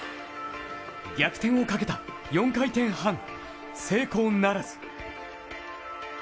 逆転をかけた４回転半、成功ならず。